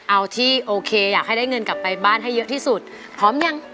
เอาที่โอเคอยากให้ได้เงินกลับไปบ้านให้เยอะที่สุดพร้อมยัง